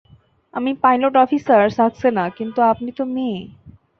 আমিই pilot officer Saxena কিন্তু আপনি তো মেয়ে!